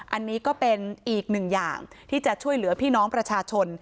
อันนี้ก็เป็นอีกหนึ่งอย่างที่จะช่วยเหลือพี่น้องประชาชน